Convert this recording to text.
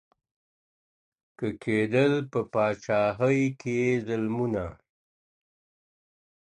كه كېدل په پاچهي كي يې ظلمونه.